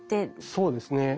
そうですね。